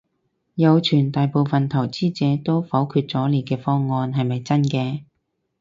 有傳大部份投資者都否決咗你嘅方案，係咪真嘅？